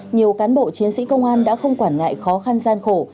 nhiều cán bộ chiến sĩ công an đã không quản ngại khó khăn gian khổ